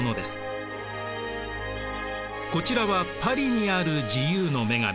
こちらはパリにある自由の女神。